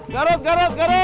garut garut garut